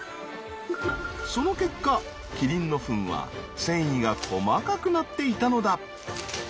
その結果キリンのフンは繊維が細かくなっていたのだ。